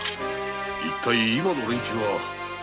一体今の連中は？